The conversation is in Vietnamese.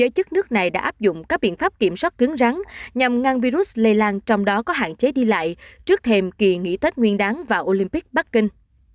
chức nước này đã áp dụng các biện pháp kiểm soát cứng rắn nhằm ngăn virus lây lan trong đó có hạn chế đi lại trước thềm kỳ nghỉ tết nguyên đáng vào olympic bắc kinh